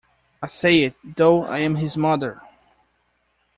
I say it, though I am his mother.